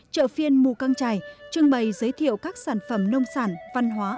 chợ phiên mù căng trải trưng bày giới thiệu các sản phẩm nông sản văn hóa